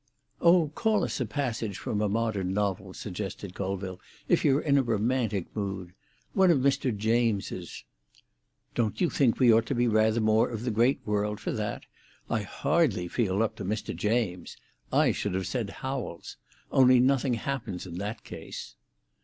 "Oh, call us a passage from a modern novel," suggested Colville, "if you're in the romantic mood. One of Mr. James's." "Don't you think we ought to be rather more of the great world for that? I hardly feel up to Mr. James. I should have said Howells. Only nothing happens in that case!"